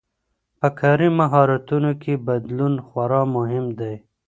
په کاري مهارتونو کي بدلون خورا مهم دی.